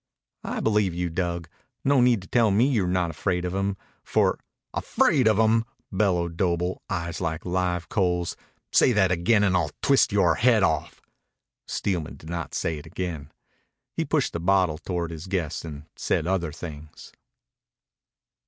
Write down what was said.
"I believe you, Dug. No need to tell me you're not afraid of him, for " "Afraid of him!" bellowed Doble, eyes like live coals. "Say that again an' I'll twist yore head off." Steelman did not say it again. He pushed the bottle toward his guest and said other things.